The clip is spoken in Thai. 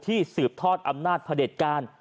ที่สืบทอดอำนาจผลิตการ